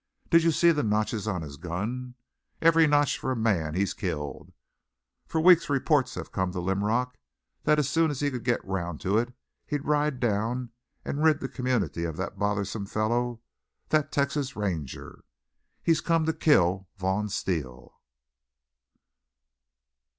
Did you see the notches on his gun? Every notch for a man he's killed! For weeks reports have come to Linrock that soon as he could get round to it he'd ride down and rid the community of that bothersome fellow, that Texas Ranger! He's come to kill Vaughn Steele!"